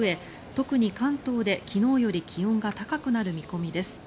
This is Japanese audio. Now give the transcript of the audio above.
特に関東で、昨日より気温が高くなる見込みです。